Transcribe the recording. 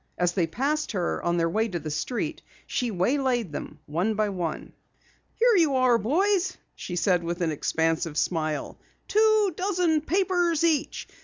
As they passed her on their way to the street, she waylaid them one by one. "Here you are, boys," she said with an expansive smile. "Two dozen papers each.